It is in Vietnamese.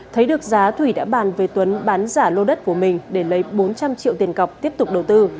thấy được giá thủy đã bàn về tuấn bán giả lô đất của mình để lấy bốn trăm linh triệu tiền cọc tiếp tục đầu tư